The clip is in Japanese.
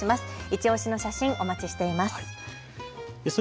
いちオシの写真お待ちしています。